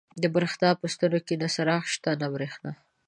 د برېښنا په ستنو کې نه څراغ شته، نه برېښنا.